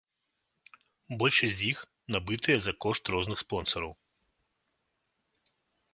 Большасць з іх набытыя за кошт розных спонсараў.